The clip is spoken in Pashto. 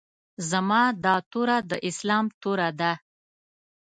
زما دا توره د اسلام توره ده.